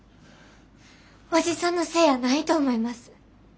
おじさんのせえやないと思います。